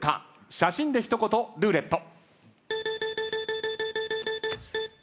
写真で一言ルーレット。